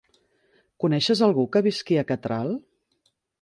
Coneixes algú que visqui a Catral?